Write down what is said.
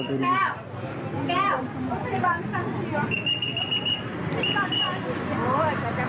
พรึกษา๓